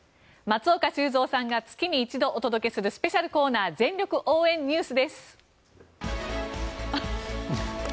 松岡修造さんが月に一度お届けするスペシャルコーナー全力応援ＮＥＷＳです。